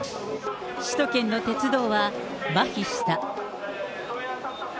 首都圏の鉄道はまひした。